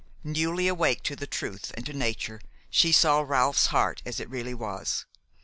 Newly awake to the truth and to nature, she saw Ralph's heart as it really was.